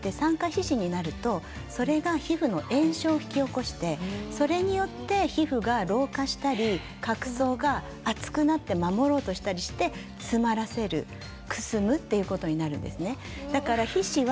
酸化皮脂になるとそれが皮膚の炎症を引き起こしてそれによって皮膚が老化したり角層が厚くなって守ろうとしたりして詰まらせるくすむということになります。